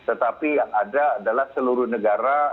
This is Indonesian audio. tetapi yang ada adalah seluruh negara